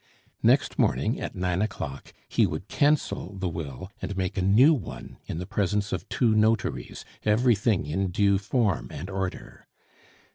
Next morning, at nine o'clock, he would cancel the will and make a new one in the presence of two notaries, everything in due form and order.